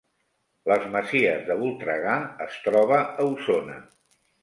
Les Masies de Voltregà es troba a Osona